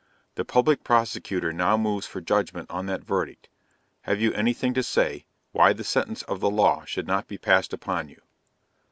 The public prosecutor now moves for judgment on that verdict; have you any thing to say, why the sentence of the law should not be passed upon you?